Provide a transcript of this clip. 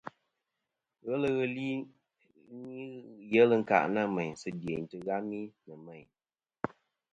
Ghelɨ ghɨ li nɨn yelɨ ɨ̀nkâʼ nâ mèyn sɨ dyeyn tɨghami nɨ̀ mêyn.